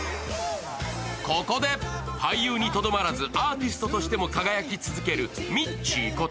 ここで俳優にとどまらず、アーティストとしても輝き続けるミッチーこと